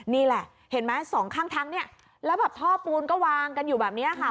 นี่แหละเห็นไหมสองข้างทางเนี่ยแล้วแบบท่อปูนก็วางกันอยู่แบบนี้ค่ะ